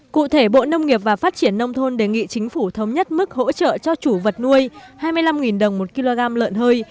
cụ thể bộ nông nghiệp và phát triển nông thôn đề nghị chính phủ thống nhất mức hỗ trợ cho chủ vật nuôi hai mươi năm đồng một kg lợn hơi